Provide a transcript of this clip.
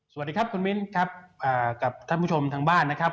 สวัสดีครับคุณมิ้นครับกับท่านผู้ชมทางบ้านนะครับ